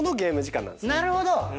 なるほど！